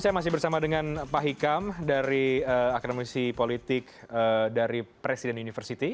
saya masih bersama dengan pak hikam dari akademisi politik dari presiden university